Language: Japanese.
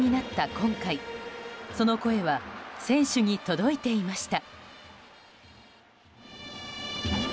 今回その声は選手に届いていました。